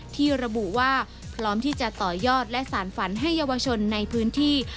ที่ระบุว่าพร้อมที่จะต่อยอดและสารฝันให้เยาวชนในพื้นที่